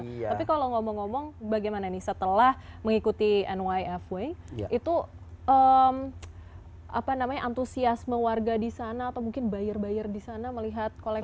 tapi kalau ngomong ngomong bagaimana nih setelah mengikuti nyfw itu apa namanya antusiasme warga di sana atau mungkin buyer buyer di sana melihat koleksi